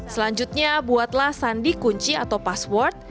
selanjutnya buatlah sandi kunci atau password